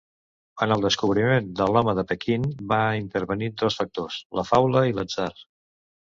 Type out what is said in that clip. En el descobriment de l'home de Pequín van intervenir dos factors: la faula i l'atzar.